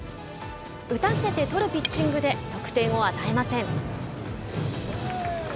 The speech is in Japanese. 打たせて取るピッチングで得点を与えません。